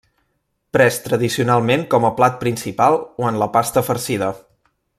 Pres tradicionalment com a plat principal o en la pasta farcida.